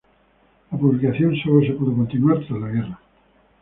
La publicación sólo se pudo continuar tras la Guerra.